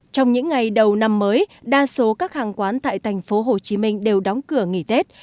trong những ngày đầu năm mới đa số các hàng quán tại thành phố hồ chí minh đều đóng cửa nghỉ tết